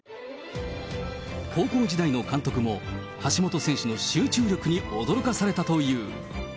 高校時代の監督も、橋本選手の集中力に驚かされたという。